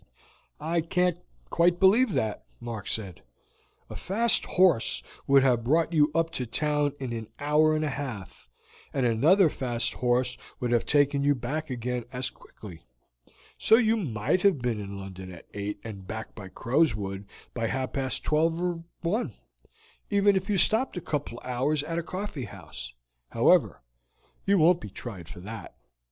"I can't quite believe that," Mark said; "a fast horse would have brought you up to town in an hour and a half, and another fast horse would have taken you back again as quickly; so you might have been in London at eight and back again at Crowswood by half past twelve or one, even if you stopped a couple of hours at a coffee house. However, you won't be tried for that.